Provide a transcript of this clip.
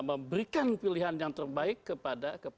memberikan pilihan yang terbaik kepada